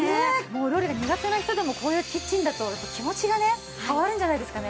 もうお料理が苦手な人でもこういうキッチンだと気持ちがね変わるんじゃないですかね。